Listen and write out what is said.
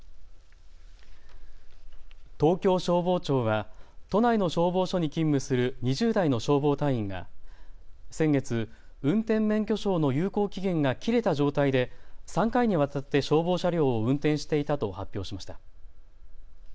東京消防庁は都内の消防署に勤務する２０代の消防隊員が先月、運転免許証の有効期限が切れた状態で３回にわたって消防車両を運転していたと発表しました。